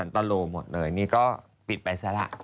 ก็ใช่ไง